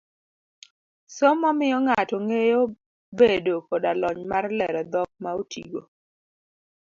somo miyo ng'ato ngeyo bedo koda lony mar lero dhok ma otigo.